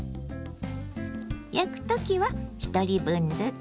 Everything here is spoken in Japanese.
焼く時は１人分ずつ。